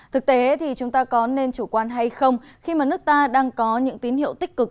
thực tế thì chúng ta có nên chủ quan hay không khi mà nước ta đang có những tín hiệu tích cực